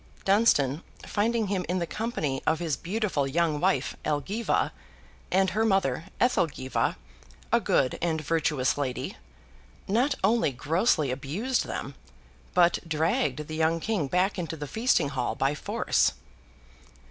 Dunstan finding him in the company of his beautiful young wife Elgiva, and her mother Ethelgiva, a good and virtuous lady, not only grossly abused them, but dragged the young King back into the feasting hall by force.